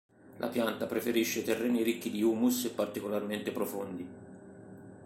La pianta preferisce terreni ricchi di humus e particolarmente profondi.